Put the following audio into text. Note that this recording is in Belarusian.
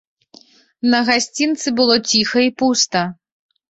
На гасцінцы было ціха і пуста.